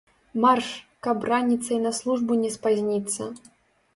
Марш, каб раніцай на службу не спазніцца!